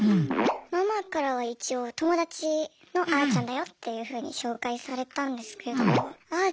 ママからは一応「友達のあーちゃんだよ」っていうふうに紹介されたんですけどあー